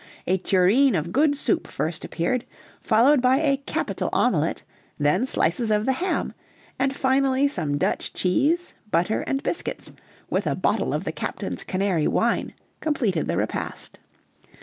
A tureen of good soup first appeared, followed by a capital omelette, then slices of the ham; and finally some Dutch cheese, butter, and biscuits, with a bottle of the captain's Canary wine, completed the repast.